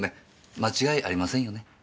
間違いありませんよね？